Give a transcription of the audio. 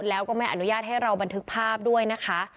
แล้วก็ไม่อนุญาตให้เราบันทึกภาพด้วยนะคะ